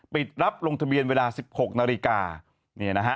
ปิดรับลงทะเบียนเวลา๑๖นาฬิกาเนี่ยนะฮะ